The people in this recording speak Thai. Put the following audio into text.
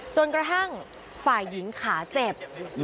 จนกระทั่งฝ่ายหญิงขาเจ็บ